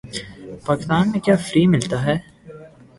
پاکستان میں کیا فری ملتا ہے